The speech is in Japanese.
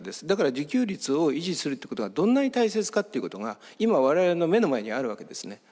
だから自給率を維持するってことがどんなに大切かっていうことが今我々の目の前にあるわけですね。